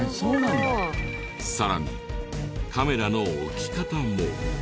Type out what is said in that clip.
さらにカメラの置き方も。